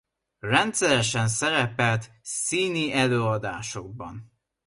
Rendszeresen szerepelt színielőadásokban.